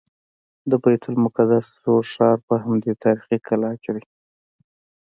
د بیت المقدس زوړ ښار په همدې تاریخي کلا کې دی.